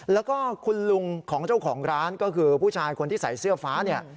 แล้วก็คุณลุงของเจ้าของร้านก็คือผู้ชายคนที่ใส่เสื้อฟ้าเนี่ย